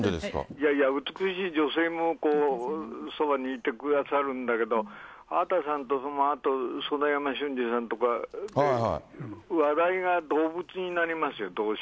いやいや、美しい女性も、そばにいてくださるんだけど、畑さんと、あとそのやましゅんじさんとか、話題が動物になりますよ、どうし